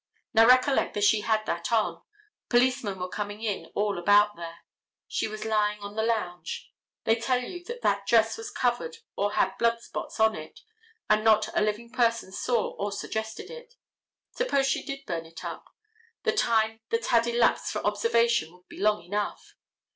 Now recollect that she had that on. Policemen were coming in all about there. She was lying on the lounge. They tell you that that dress was covered or had blood spots on it and not a living person saw or suggested it. Suppose she did burn it up—the time that had elapsed for observation would be long enough.